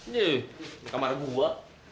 nih kamar gua